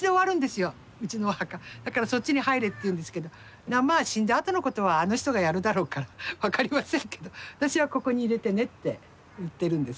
だからそっちに入れと言うんですけどまあ死んだあとのことはあの人がやるだろうから分かりませんけど私はここに入れてねって言ってるんですけどね。